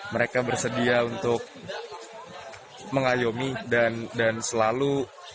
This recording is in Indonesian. mereka bersedia untuk menjaga kita pagi siang sore dan juga malam